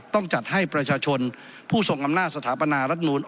ต้องจัดให้ประชาชนผู้ทรงอำนาจสถาปนารัฐมนูล